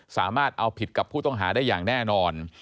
สามารถเอาผิดกับผู้ต้องหาได้อย่างแน่นอน